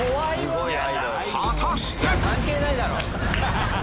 果たして⁉